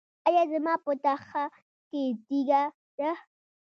ایا زما په تخه کې تیږه ده؟